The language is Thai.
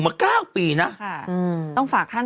ตราบใดที่ตนยังเป็นนายกอยู่